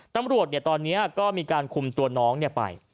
ตำรวจตอนนี้ก็มีการคุมตัวน้องไป